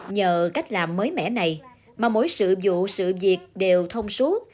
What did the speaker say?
nhờ cách làm mới mẻ này mà mỗi sự vụ sự việc đều thông suốt